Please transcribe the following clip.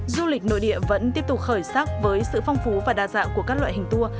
du lịch nội địa vẫn tiếp tục khởi sắc với sự phong phú và đa dạng của các loại hình tour